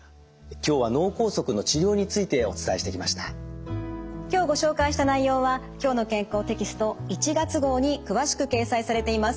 今日ご紹介した内容は「きょうの健康」テキスト１月号に詳しく掲載されています。